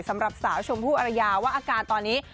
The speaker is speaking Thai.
สำหรับสาวชมพู่อรยาว่าอาการตอนนี้